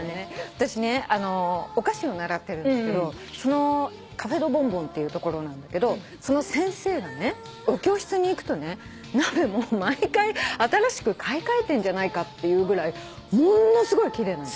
私ねお菓子を習ってるんだけどカフェドボンボンっていうところなんだけどその先生がねお教室に行くとね鍋も毎回新しく買い替えてんじゃないかっていうぐらいものすごい奇麗なの。